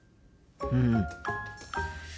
うん。